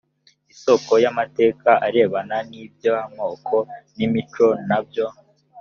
isoko y amateka arebana n iby amoko n imico na byo